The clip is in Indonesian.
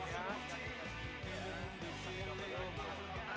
mau nonton harusnya maksudnya